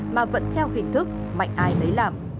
mà vẫn theo hình thức mạnh ai lấy làm